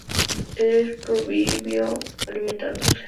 Es frugívoro, alimentándose especialmente de higos.